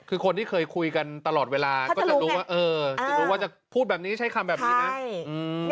คือคนที่เคยคุยกันตลอดเวลาก็จะรู้ว่าจะพูดแบบนี้ใช้คำแบบนี้นะ